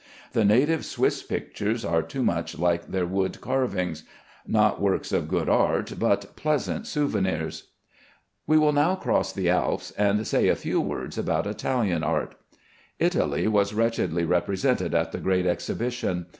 The native Swiss pictures are too much like their wood carvings, not works of good art but pleasant souvenirs. We will now cross the Alps and say a few words about Italian art. Italy was wretchedly represented at the Great Exhibition.